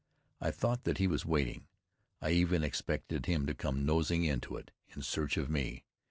I thought that he was waiting. I even expected him to come nosing into it, in search of me.